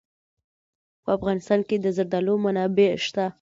په افغانستان کې د زردالو منابع شته.